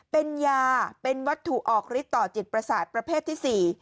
เป็นยาเป็นวัตถุออกฤทธิต่อจิตประสาทประเภทที่๔